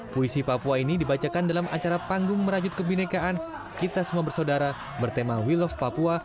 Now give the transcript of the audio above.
puisi papua ini dibacakan dalam acara panggung merajut kebinekaan kita semua bersaudara bertema will of papua